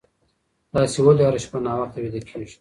تاسي ولې هره شپه ناوخته ویده کېږئ؟